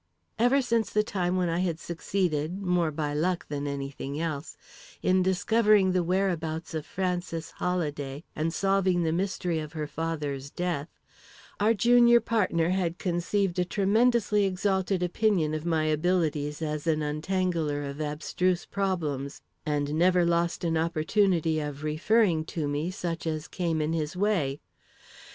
Ever since the time when I had succeeded, more by luck than anything else, in discovering the whereabouts of Frances Holladay, and solving the mystery of her father's death, our junior partner had conceived a tremendously exalted opinion of my abilities as an untangler of abstruse problems, and never lost an opportunity of referring to me such as came in his way.